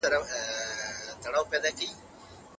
پاڼه اوس په هر ګل او میوه کې شته.